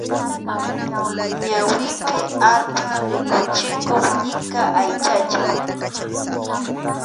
Ñawipi arpha rikuchikuq llika aychacha.